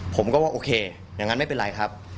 ผมก็ว่าโอเคอย่างนั้นไม่เป็นไรครับ